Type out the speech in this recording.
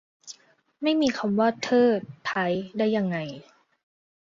ไม่มีคำว่า เทิด ไท้ ได้ไง